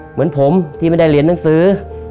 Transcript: เหมือนผมที่ไม่ได้เรียนหนังสือ